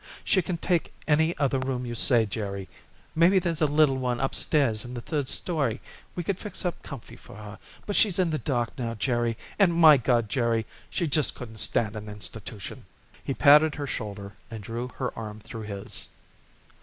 She can take any other room you say, Jerry. Maybe there's a little one up stairs in the third story we could fix up comfy for her; but she's in the dark now, Jerry, and, my God! Jerry, she just couldn't stand an institution!" He patted her shoulder and drew her arm through his.